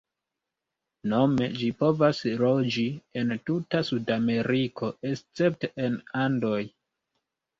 Nome ĝi povas loĝi en tuta Sudameriko, escepte en Andoj.